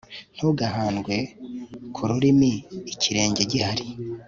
ntugahandwe ku rurimi ikirenge gihari